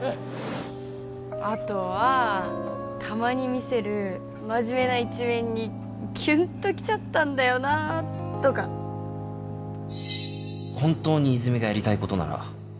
あとはたまに見せる真面目な一面にキュンときちゃったんだよなとか本当に泉がやりたいことなら